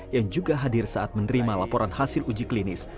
yang juga hadir saat menerima laporan hasil uji klinis